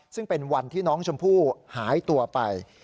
ซึ่งเป็นวันที่น้องชมพู่หายตัวไป